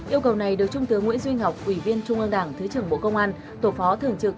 yêu cầu này được trung tướng nguyễn duy ngọc ủy viên trung ương đảng thứ trưởng bộ công an tổ phó thường trực